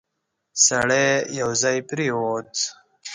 سړی یو ځای پرېووت.